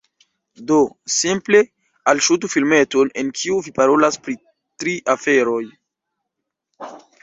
Do, simple alŝutu filmeton en kiu vi parolas pri tri aferoj